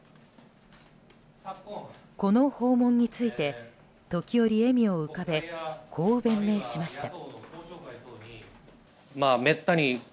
この訪問について時折、笑みを浮かべこう弁明しました。